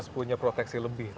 harus punya proteksi lebih